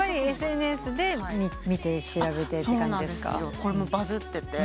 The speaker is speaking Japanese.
これもバズってて。